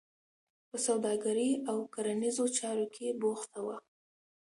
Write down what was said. په سوداګرۍ او کرنیزو چارو کې بوخته وه.